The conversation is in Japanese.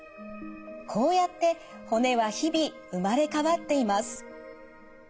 こうやって骨は日々生まれ変わっています。